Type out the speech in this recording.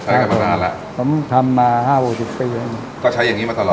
กันมานานแล้วผมทำมาห้าหกสิบปีแล้วก็ใช้อย่างงี้มาตลอด